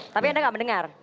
tapi anda gak mendengar